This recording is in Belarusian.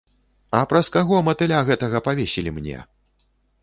А праз каго матыля гэтага павесілі мне?